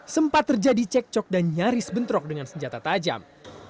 sempat terjadi cekcok dan nyaris bentrok dengan senjata tajam